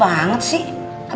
tidak ada yang mau bilang